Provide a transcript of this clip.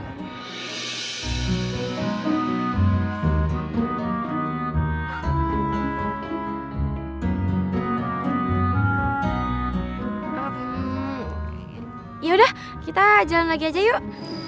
yaudah kita jalan lagi aja yuk